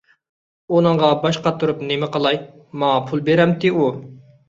ئۇنىڭغا باش قاتۇرۇپ نېمە قىلاي، ماڭا پۇل بېرەمتى ئۇ!